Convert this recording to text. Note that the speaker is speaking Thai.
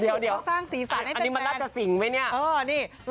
เดี๋ยวอันนี้มันน่าจะสิงไหมเนี่ยแม่สุนสร้างสีสันให้เป็นแฟ